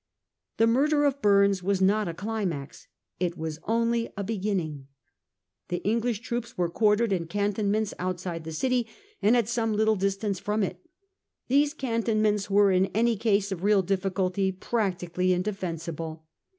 The murder of Bumes was not a climax ; it was only a beginning. The English troops were quartered in cantonments outside the city, and at some little distance from it. These cantonments were in any case of real difficulty practically indefensible.